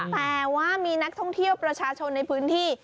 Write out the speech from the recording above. แต่ว่ามีนักท่องเที่ยวประชาชนในพื้นที่